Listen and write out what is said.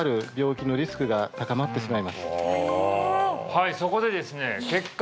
はいそこでですね豐